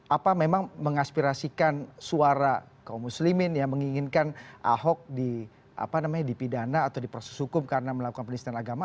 apa memang mengaspirasikan suara kaum muslimin yang menginginkan ahok di apa namanya di pidana atau di proses hukum karena melakukan penelitian agama